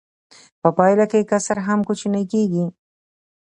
په پایله کې کسر هم کوچنی کېږي